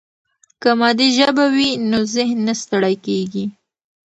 که مادي ژبه وي نو ذهن نه ستړی کېږي.